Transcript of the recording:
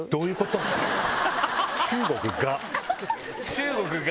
中国が？